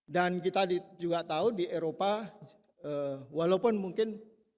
dan kita juga tahu di eropa walaupun mungkin